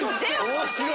面白い！